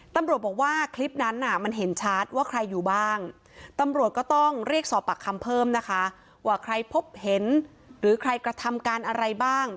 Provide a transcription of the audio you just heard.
ตำรวจบอกว่าคลิปนั้นน่ะมันเห็นชัดว่าใครอยู่บ้างตำรวจก็ต้องเรียกสอบปากคำเพิ่มนะคะว่าใครพบเห็นหรือใครกระทำการอะไรบ้าง